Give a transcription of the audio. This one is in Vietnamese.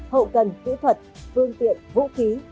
hậu cần kỹ thuật phương tiện vũ khí